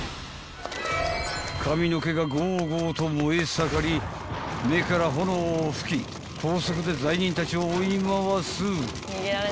［髪の毛がごうごうと燃え盛り目から炎をふき高速で罪人たちを追い回す］